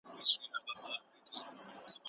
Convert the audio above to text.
د پوهې زياتوالی يې د تواضع سبب ګرځاوه.